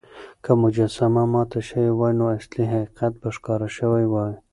که مجسمه ماته شوې وای، نو اصلي حقيقت به ښکاره شوی وای.